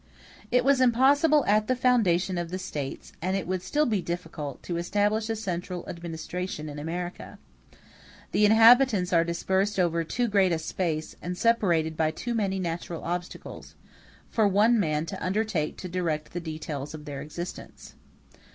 It was impossible at the foundation of the States, and it would still be difficult, to establish a central administration in America. The inhabitants are dispersed over too great a space, and separated by too many natural obstacles, for one man to undertake to direct the details of their existence.